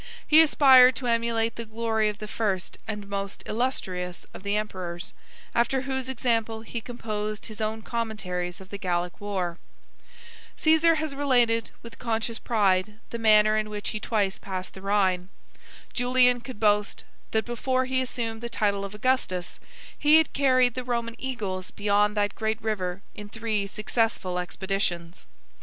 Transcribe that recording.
He aspired to emulate the glory of the first and most illustrious of the emperors; after whose example, he composed his own commentaries of the Gallic war. 84 Cæsar has related, with conscious pride, the manner in which he twice passed the Rhine. Julian could boast, that before he assumed the title of Augustus, he had carried the Roman eagles beyond that great river in three successful expeditions.